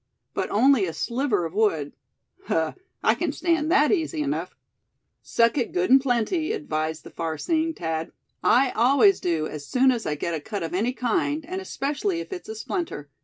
But only a sliver of wood huh, I can stand that easy enough." "Suck it good and plenty," advised the far seeing Thad. "I always do as soon as I get a cut of any kind, and especially if it's a splinter.